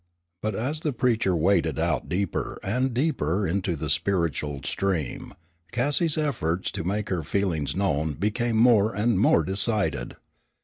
But as the preacher waded out deeper and deeper into the spiritual stream, Cassie's efforts to make her feelings known became more and more decided.